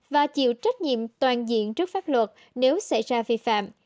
và chịu trách nhiệm toàn diện trước pháp luật nếu xảy ra vi phạm